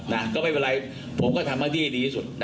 นะครับผมก็ต้องให้การว่าเขาให้การขัดแย้งข้อเรียกจริงนะครับ